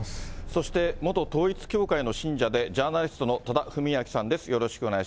そして、元統一教会の信者で、ジャーナリストの多田文明さんです。